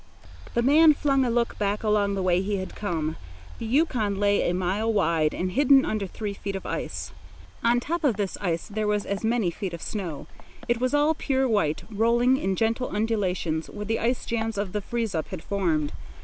The man flung a look back along the way he had come. The Yukon lay a mile wide and hidden under three feet of ice. On top of this ice were as many feet of snow. It was all pure white, rolling in gentle undulations where the ice jams of the freeze up had formed.